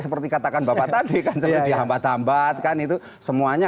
seperti katakan bapak tadi dihambat hambatkan itu semuanya